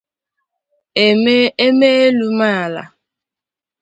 E mee elu mee ala